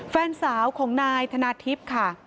แฟนสาวของนายธนาทิพย์ค่ะ